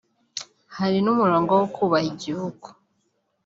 hari n'umurongo wo kubaha igihugu